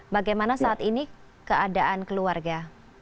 bagaimana saat ini keadaan keluarga